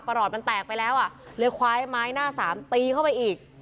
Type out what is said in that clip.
หลอดมันแตกไปแล้วอ่ะเลยคว้าไม้หน้าสามตีเข้าไปอีก